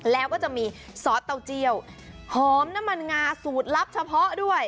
แล้วก็จะมีซอสเต้าเจียวหอมน้ำมันงาสูตรลับเฉพาะด้วย